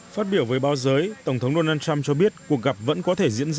phát biểu với báo giới tổng thống donald trump cho biết cuộc gặp vẫn có thể diễn ra